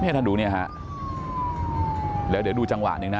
ท่านดูเนี่ยฮะแล้วเดี๋ยวดูจังหวะหนึ่งนะ